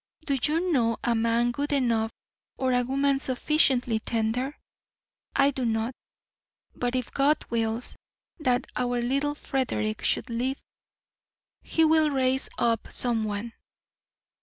Do you know a man good enough or a woman sufficiently tender? I do not, but if God wills that our little Frederick should live, He will raise up someone.